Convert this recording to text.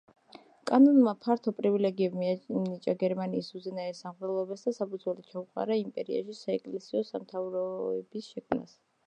კანონმა ფართო პრივილეგიები მიანიჭა გერმანიის უზენაეს სამღვდელოებას და საფუძველი ჩაუყარა იმპერიაში საეკლესიო სამთავროების შექმნას.